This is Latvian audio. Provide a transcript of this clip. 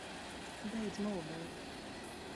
Beidz muldēt!